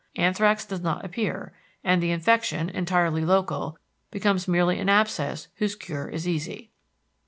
Anthrax does not appear, and the infection, entirely local, becomes merely an abscess whose cure is easy.